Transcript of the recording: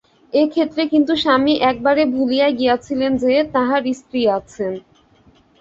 এ ক্ষেত্রে কিন্তু স্বামী একেবারে ভুলিয়াই গিয়াছিলেন যে, তাঁহার স্ত্রী আছেন।